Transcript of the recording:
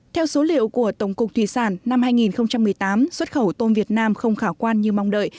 theo số liệu của tổng cục thủy sản năm hai nghìn một mươi tám xuất khẩu tôm việt nam không khả quan như mong đợi